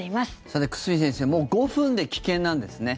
さて、久住先生もう５分で危険なんですね。